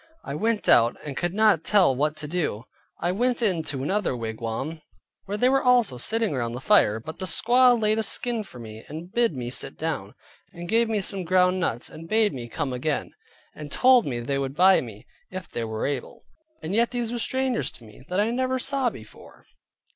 I went out, and could not tell what to do, but I went in to another wigwam, where they were also sitting round the fire, but the squaw laid a skin for me, and bid me sit down, and gave me some ground nuts, and bade me come again; and told me they would buy me, if they were able, and yet these were strangers to me that I never saw before.